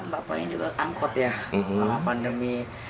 bapaknya juga angkot ya karena pandemi